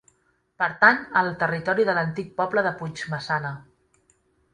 Pertany al territori de l'antic poble de Puigmaçana.